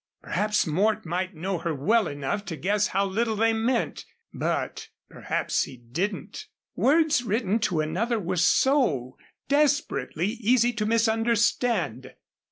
Perhaps Mort might know her well enough to guess how little they meant but perhaps he didn't. Words written to another were so desperately easy to misunderstand.